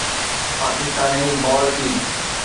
پاڪستاني بال اي